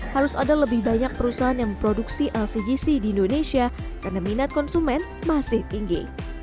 harus ada lebih banyak perusahaan yang memproduksi lcgc di indonesia karena minat konsumen masih tinggi